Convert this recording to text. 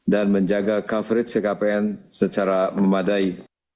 dan menjaga coverage ckpn secara memadai